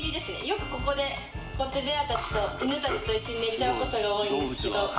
よくここでこうやってベア達と犬たちと一緒に寝ちゃうことが多いんですけど。